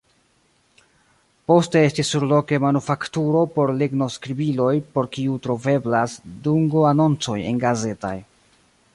Poste estis surloke manufakturo por lignoskribiloj por kiu troveblas dungoanoncoj engazetaj.